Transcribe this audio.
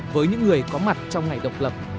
với những người có mặt trong ngày độc lập